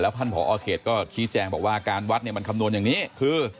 ท่านผอเขตก็ชี้แจงบอกว่าการวัดเนี่ยมันคำนวณอย่างนี้คือ